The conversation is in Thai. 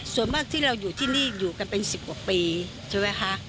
ส่วนมากที่เราอยู่ที่นี่อยู่กันเป็น๑๐กว่าปีใช่ไหมคะ